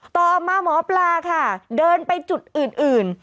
ต่อมาหมอปลาค่ะเดินไปจุดอื่น